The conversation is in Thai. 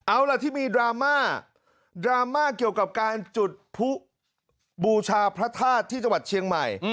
เอาล่ะที่มีดราม่าดราม่าเกี่ยวกับการจุดผู้บูชาพระธาตุที่จังหวัดเชียงใหม่